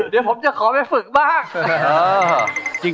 เดี๋ยวผมจะขอไปฝึกบ้าง